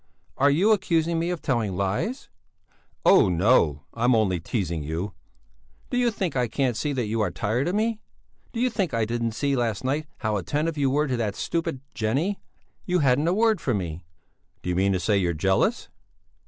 "Are you accusing me of telling lies?" "Oh! no, I'm only teasing you!" "Do you think I can't see that you are tired of me? Do you think I didn't see last night how attentive you were to that stupid Jenny? You hadn't a word for me!" "Do you mean to say you're jealous?"